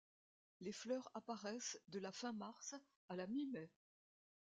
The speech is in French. Les fleurs apparaissent de la fin mars à la mi-mai.